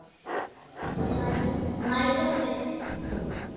Já faz mais de um mês